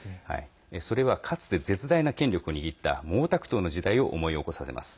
それはかつて絶大な権力を握った毛沢東の時代を思い起こさせます。